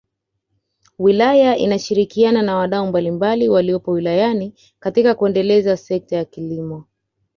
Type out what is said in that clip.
Wilaya inashirikiana na wadau mbalimbali waliopo wilayani katika kuendeleza sekta ya kilimo